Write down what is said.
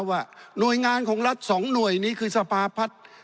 ว่าหน่วยงานของรัฐ๒หน่วยนี้คือสภาพัฒน์